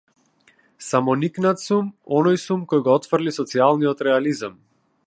Самоникнат сум, оној сум кој го отфрли социјалниот реализам.